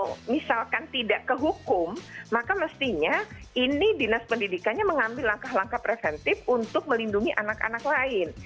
kalau misalkan tidak kehukum maka mestinya ini dinas pendidikannya mengambil langkah langkah preventif untuk melindungi anak anak lain